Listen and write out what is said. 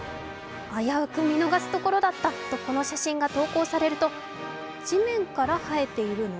危うく見逃すところだったと、この写真が投稿されると、地面から生えているの？